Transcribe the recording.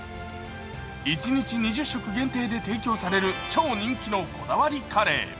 一日２０食限定で提供される超人気のこだわりカレー。